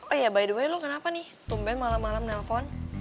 oh ya by the by lo kenapa nih tumben malam malam nelfon